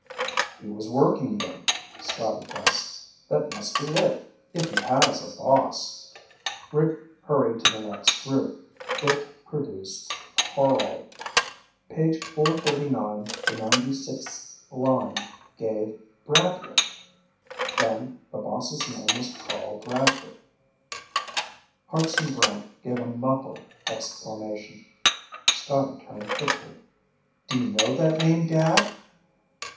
"He was working, then," Scotty guessed. "That must be it, if he has a boss." Rick hurried to the next group. It produced "Carl." Page 439, the 96th line, gave "Bradley." Then the boss's name was Carl Bradley. Hartson Brant gave a muffled exclamation. Scotty turned quickly. "Do you know that name, Dad?"